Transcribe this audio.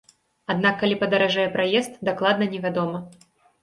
Аднак калі падаражэе праезд, дакладна невядома.